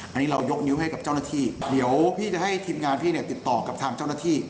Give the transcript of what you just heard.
อันนี้เรายกนิ้วให้กับเจ้าหน้าที่เดี๋ยวพี่จะให้ทีมงานพี่เนี่ยติดต่อกับทางเจ้าหน้าที่